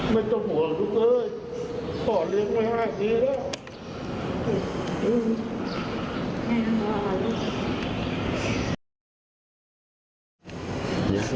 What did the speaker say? ไม่ต้องห่วงลูกเก้ยอ่อนเลี้ยงไม่ได้หายดีแล้ว